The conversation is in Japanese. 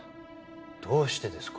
どうしてですか？